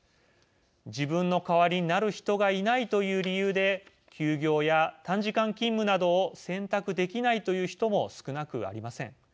自分の代わりになる人がいないという理由で休業や短時間勤務などを選択できないという人も少なくありません。